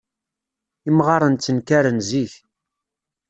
Imɣaren ttenkaren zik.